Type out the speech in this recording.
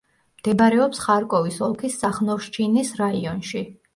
მდებარეობს ხარკოვის ოლქის სახნოვშჩინის რაიონში.